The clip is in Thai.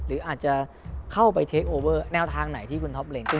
หรืออาจจะเข้าไปเทคโอเวอร์แนวทางไหนที่คุณท็อเล็งขึ้น